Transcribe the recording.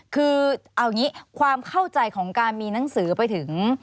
คือเอาอย่างนี้ความเข้าใจของการมีหนังสือไปถึง